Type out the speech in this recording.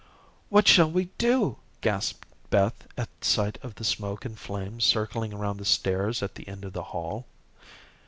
"What shall we do?" gasped Beth at sight of the smoke and flames circling around the stairs at the end of the hall.